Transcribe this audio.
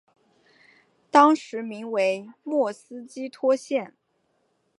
当时名为莫斯基托县。